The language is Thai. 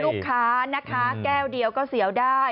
ลูกค้านะคะแก้วเดียวก็เสียวได้